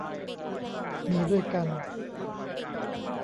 มีด้วยกัน